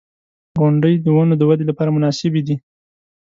• غونډۍ د ونو د ودې لپاره مناسبې دي.